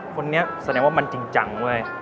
คนนี้แสดงว่ามันจริงจังเว้ย